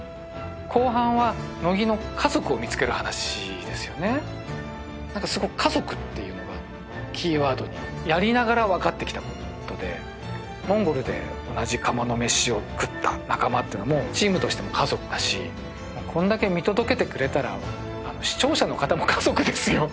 後半は乃木の家族を見つける話ですよねなんかすごく家族っていうのがキーワードにやりながら分かってきたことでモンゴルで同じ釜の飯を食った仲間っていうのはもうチームとしても家族だしこんだけ見届けてくれたら視聴者の方も家族ですよ